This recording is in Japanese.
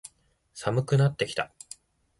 寒くなってきた。